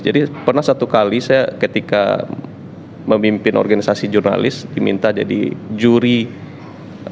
jadi pernah satu kali saya ketika memimpin organisasi jurnalis diminta jadi juri orang orang